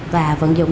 và vận dụng